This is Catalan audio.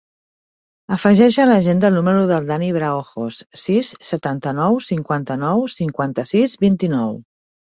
Afegeix a l'agenda el número del Dani Braojos: sis, setanta-nou, cinquanta-nou, cinquanta-sis, vint-i-nou.